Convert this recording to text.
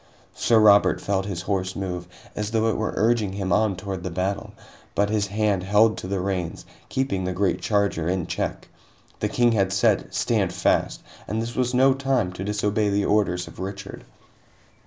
Sir Robert felt his horse move, as though it were urging him on toward the battle, but his hand held to the reins, keeping the great charger in check. The King had said "Stand fast!" and this was no time to disobey the orders of Richard.